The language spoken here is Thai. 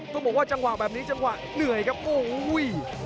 ต้องบอกว่าจังหวะแบบนี้จังหวะเหนื่อยครับโอ้โห